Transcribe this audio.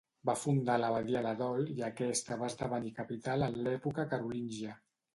Va fundar l'abadia de Dol i aquesta va esdevenir capital en l'època carolíngia.